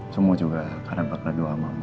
semua juga karena berdoa mama